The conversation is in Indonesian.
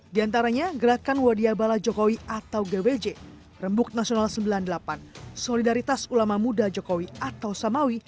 di antaranya gerakan wadiabala jokowi atau gwj rembuk nasional sembilan puluh delapan solidaritas ulama muda jokowi atau samawi